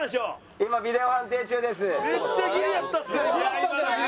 今ビデオ判定中です。